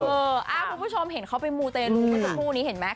เออคุณผู้ชมเห็นเขาไปมูเตลูกับชู้นี้เห็นไหม